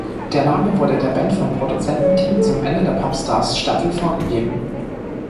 Der Name wurde der Band vom Produzententeam zum Ende der "Popstars"-Staffel vorgegeben.